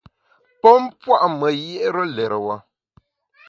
Pon pua’ me yié’re lérewa.